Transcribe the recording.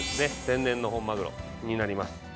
天然の本マグロになります。